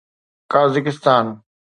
Kazakhstan